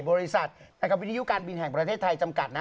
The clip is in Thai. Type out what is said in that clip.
บริษัทวิทยุการบินแห่งประเทศไทยจำกัดนะ